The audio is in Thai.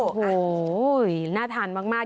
โอ้โหน่าทานมาก